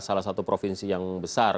salah satu provinsi yang besar